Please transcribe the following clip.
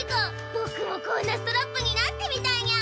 ぼくもこんなストラップになってみたいにゃ！